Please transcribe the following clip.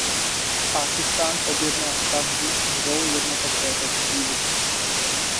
Pákistán objednal stavbu dvou jednotek této třídy.